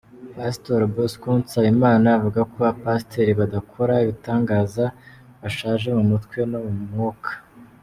Pastor Bosco Nsabimana avuga ko abapasiteri badakora ibitangaza bashaje mu mutwe no mu mwuka.